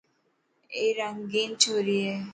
اي رنگين چوڙي هي.